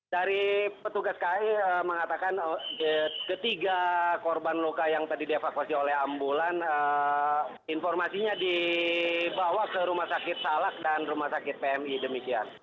dari petugas kai mengatakan ketiga korban luka yang tadi dievakuasi oleh ambulan informasinya dibawa ke rumah sakit salak dan rumah sakit pmi demikian